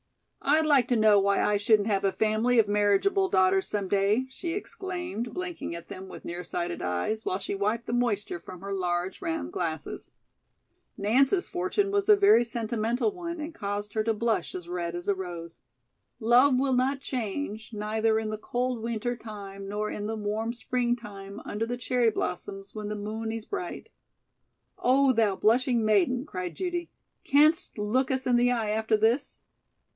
"I'd like to know why I shouldn't have a family of marriageable daughters some day," she exclaimed, blinking at them with near sighted eyes while she wiped the moisture from her large round glasses. Nance's fortune was a very sentimental one and caused her to blush as red as a rose. "Love will not change, neither in the cold weenter time nor in the warm spreengtime under the cherry blossoms when the moon ees bright." "Oh, thou blushing maiden," cried Judy, "canst look us in the eye after this?"